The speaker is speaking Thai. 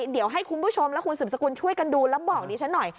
เดี๋ยวให้คุณผู้ชมและคุณสืบสกุลช่วยกันดูแล้วบอกดิฉันหน่อย